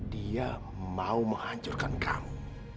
dia mau menghancurkan kamu